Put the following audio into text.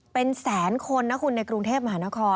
เป็นแสนคนนะคุณในกรุงเทพมหานคร